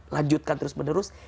lanjutkan terus menerus